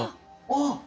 あっ！